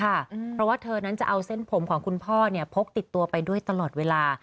เพราะว่าเธอนั้นจะเอาเส้นผมของคุณพ่อพกติดตัวไปด้วยตลอดเวลา